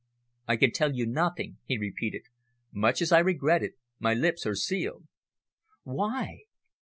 "I can tell you nothing," he repeated. "Much as I regret it, my lips are sealed." "Why?"